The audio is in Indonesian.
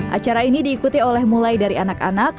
acara ini diikuti oleh mulai dari anak anak